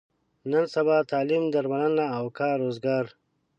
نن سبا تعلیم، درملنه او کار روزګار.